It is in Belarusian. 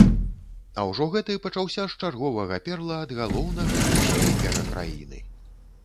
А ўжо гэты пачаўся з чарговага перла ад галоўнага ньюсмейкера краіны.